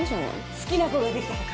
好きな子ができたとか？